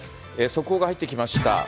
速報が入ってきました。